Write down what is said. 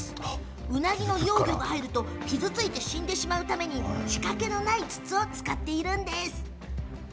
ウナギの幼魚が入ると傷ついて死んでしまうためしかけのない筒を使っているんです。